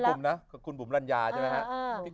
เค้าเป็นกลุ่มคุณบุหมลัญญาใช่ไหม